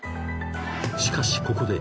［しかしここで］